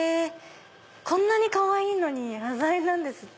こんなにかわいいのに端材なんですって。